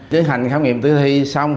tiến hành khám nghiệm tử thi xong